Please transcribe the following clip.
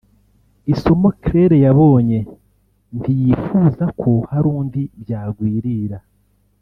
Isomo Claire yabonye ntiyifuza ko hari undi byagwirira